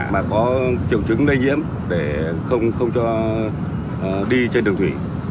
mà có triệu chứng lây nhiễm để không cho đi trên đường thủy